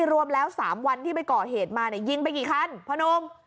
รวมแล้ว๓วันที่ไปก่อเหตุมาเนี่ยยิงไปกี่คันพ่อนุ่ม